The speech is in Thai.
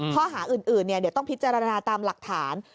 ข้อหาอื่นเดี๋ยวต้องพิจารณาตามหลักฐาน